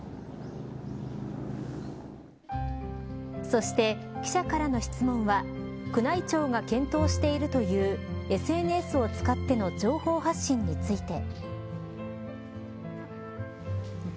そして記者からの質問は宮内庁が検討しているというＳＮＳを使っての情報発信について。